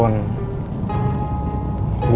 gue cuma pengen nguruskan anak kandung gue